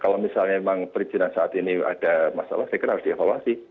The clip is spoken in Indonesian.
kalau misalnya memang perizinan saat ini ada masalah saya kira harus dievaluasi